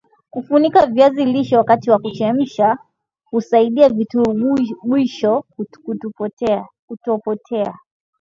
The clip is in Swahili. kufunika viazi lishe wakati wa kuchemsha husaidia virutubisho kutokupotea